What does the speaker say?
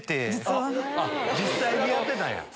実際にやってたんや。